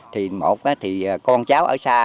thì một thì con cháu ở xa